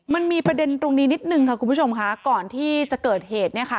มันมีประเด็นตรงนี้นิดนึงค่ะคุณผู้ชมค่ะก่อนที่จะเกิดเหตุเนี่ยค่ะ